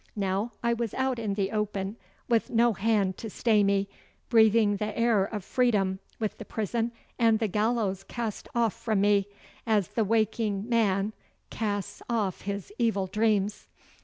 Now I was out in the open with no hand to stay me, breathing the air of freedom with the prison and the gallows cast off from me, as the waking man casts off his evil dreams.